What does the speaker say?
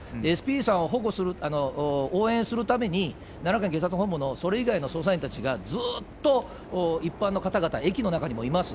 ＳＰさんを保護する、応援するために、奈良県警察本部のそれ以外の捜査員たちが、ずーっと一般の方々、駅の中にもいます。